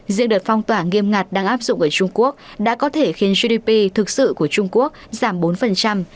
riêng đợt phong tỏa nghiêm ngặt đang áp dụng ở trung quốc đã có thể khiến gdp thực sự của trung quốc giảm bốn